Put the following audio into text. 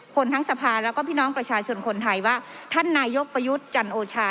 ทั้งสภาแล้วก็พี่น้องประชาชนคนไทยว่าท่านนายกประยุทธ์จันโอชา